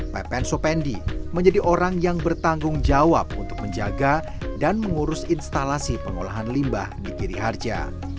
pepen sopandi menjadi orang yang bertanggung jawab untuk menjaga dan mengurus instalasi pengolahan limbah di giri harja